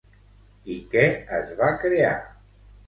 I què es va crear?